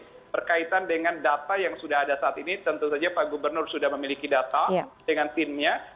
nah berkaitan dengan data yang sudah ada saat ini tentu saja pak gubernur sudah memiliki data dengan timnya